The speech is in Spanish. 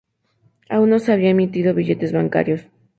Aún no se habían emitido billetes bancarios.